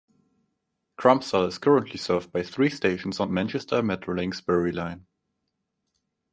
Crumpsall is currently served by three stations on Manchester Metrolink's Bury line.